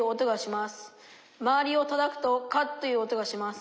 まわりをたたくと『カッ』という音がします。